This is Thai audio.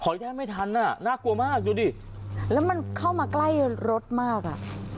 ได้ไม่ทันอ่ะน่ากลัวมากดูดิแล้วมันเข้ามาใกล้รถมากอ่ะ